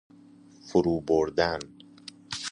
فرو بردن